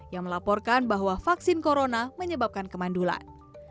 yang melaporkan bahwa vaksin corona menyebabkan kemandulan